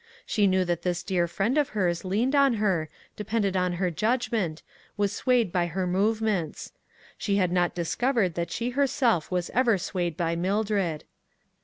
She knew that this dear friend of hers leaned on her, depended on her judgment, was swayed by her movements ; she had not discovered that she herself was ever swayed by Mildred.